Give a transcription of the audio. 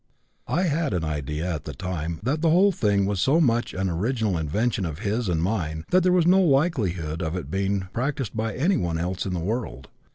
I had an idea at that time that the whole thing was so much an original invention of his and mine that there was no likelihood of it being practised by anyone else in the world.